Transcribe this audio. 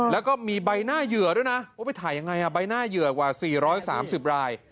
แล้วก็มีใบหน้าเหยื่อด้วยน่ะว่าไปถ่ายยังไงอ่ะใบหน้าเหยื่อกว่าสี่ร้อยสามสิบราย